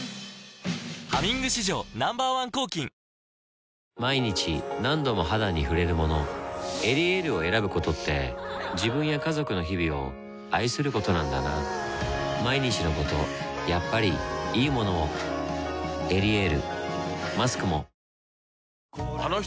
「ハミング」史上Ｎｏ．１抗菌毎日何度も肌に触れるもの「エリエール」を選ぶことって自分や家族の日々を愛することなんだなぁ「エリエール」マスクもあの人